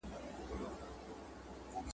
یو جهاني یې په سنګسار له ګناه نه کی خبر ..